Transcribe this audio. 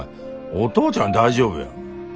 お父ちゃんは大丈夫や。